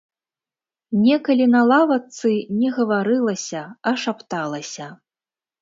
Некалі на лавачцы не гаварылася, а шапталася.